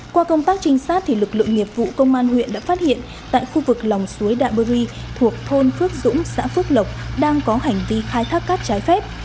qua công tác trinh sát lực lượng nghiệp vụ công an huyện đã phát hiện tại khu vực lòng suối đạ bờ ri thuộc thôn phước dũng xã phước lộc đang có hành vi khai thác cát trái phép